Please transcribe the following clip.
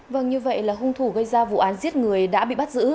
vâng như vậy là hung thủ gây ra vụ án giết người đã bị bắt giữ